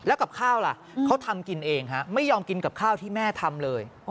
แล้วกับข้าวล่ะเขาทำกินเองฮะไม่ยอมกินกับข้าวที่แม่ทำเลย